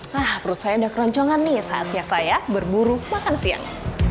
nah perut saya udah keroncongan nih saatnya saya berburu makan siang